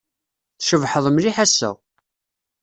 Tcebḥed mliḥ ass-a.